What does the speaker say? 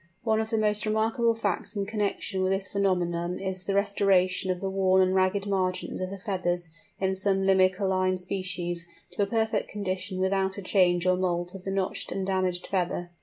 One of the most remarkable facts in connection with this phenomenon is the restoration of the worn and ragged margins of the feathers in some Limicoline species to a perfect condition without a change or moult of the notched and damaged feather.